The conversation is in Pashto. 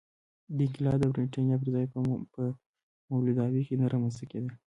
دا انقلاب د برېټانیا پر ځای په مولداوي کې نه رامنځته کېده.